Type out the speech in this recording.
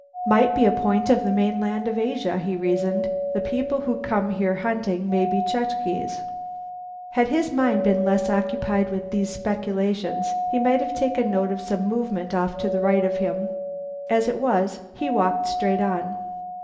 "Might be a point of the mainland of Asia," he reasoned. "The people who come here hunting may be Chukches." Had his mind been less occupied with these speculations he might have taken note of some movement off to the right of him. As it was, he walked straight on.